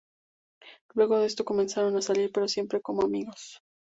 Luego de esto comenzaron a salir, pero siempre como amigos.